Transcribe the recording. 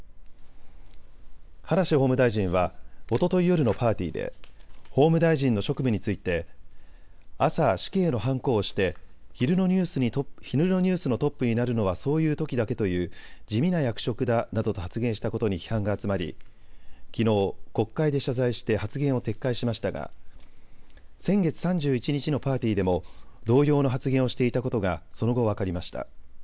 葉梨法務大臣はおととい夜のパーティーで法務大臣の職務について朝、死刑のはんこを押して昼のニュースのトップになるのはそういうときだけという地味な役職だなどと発言したことに批判が集まりきのう国会で謝罪して発言を撤回しましたが先月３１日のパーティーでも同様の発言をしていたことがその後、分かりました。